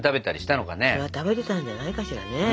そら食べてたんじゃないかしらね。